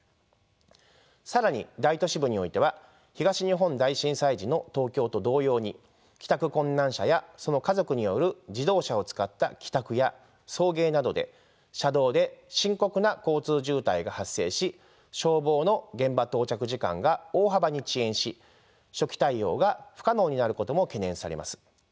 更に大都市部においては東日本大震災時の東京と同様に帰宅困難者やその家族による自動車を使った帰宅や送迎などで車道で深刻な交通渋滞が発生し消防の現場到着時間が大幅に遅延し初期対応が不可能になることも懸念されます。